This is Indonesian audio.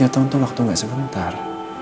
tiga tahun tuh waktu gak sebentar